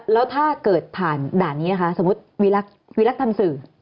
แล้วถ้าเกิดผ่านด่านนี้นะคะสมมุติวีรักษ์ทำสื่อ